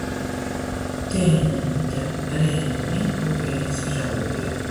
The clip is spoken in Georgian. დნმ და რნმ ნუკლეინის მჟვებია.